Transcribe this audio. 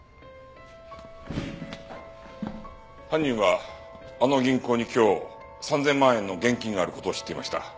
犯人はあの銀行に今日３０００万円の現金がある事を知っていました。